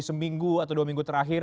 seminggu atau dua minggu terakhir